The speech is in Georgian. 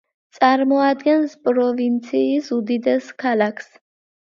წარმოადგენს პროვინციის უდიდეს ქალაქს.